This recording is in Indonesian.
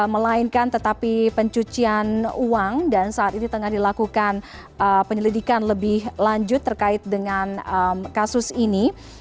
melainkan tetapi pencucian uang dan saat ini tengah dilakukan penyelidikan lebih lanjut terkait dengan kasus ini